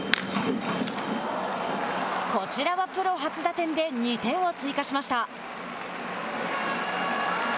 こちらはプロ初打点で２点を追加しました。